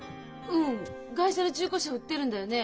うん外車の中古車売ってるんだよね？